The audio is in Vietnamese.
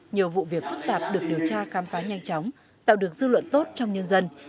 nhiều vụ việc phức tạp được điều tra khám phá nhanh chóng tạo được dư luận tốt trong nhân dân